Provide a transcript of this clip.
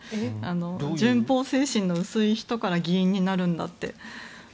順法精神の薄い人から議員になるんだって。